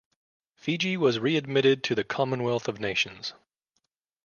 Fiji was re-admitted to the Commonwealth of Nations.